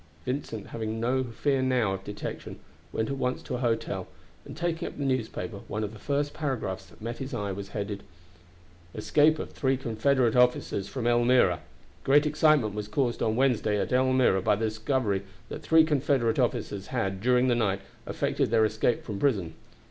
Vincent, having now no fear of detection, went at once to an hotel, and taking up the newspaper, one of the first paragraphs that met his eye was headed: "Escape of three Confederate officers from Elmira. Great excitement was caused on Wednesday at Elmira by the discovery that three Confederate officers had, during the night, effected their escape from prison.